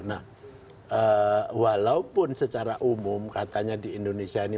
nah walaupun secara umum katanya di indonesia ini